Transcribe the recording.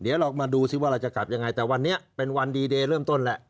เดี๋ยวเรามาดูสิว่าเราจะกลับยังไงแต่วันนี้เป็นวันดีเดย์เริ่มต้นแหละ